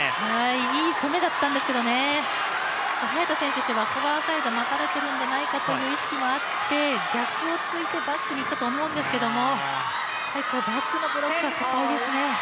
いい攻めだったんですけど、早田選手としては浅いとフォアサイドにいかれるんじゃないかと思って逆を突いてバックにいったと思うんですけれども、バックも深いですね。